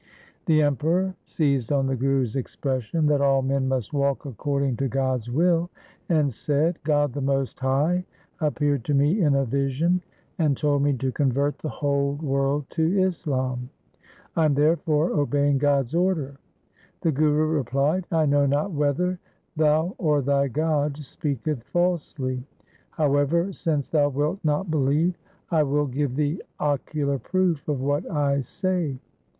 The Emperor seized on the Guru's expression that all men must walk according to God's will and said, ' God the most high appeared to me in a vision, and LIFE OF GURU TEG BAHADUR 379 told me to convert the whole world to Islam. I am therefore obeying God's order.' The Guru replied, ' I know not whether thou or thy God speaketh falsely. However, since thou wilt not believe, I will give thee ocular proof of what I say.'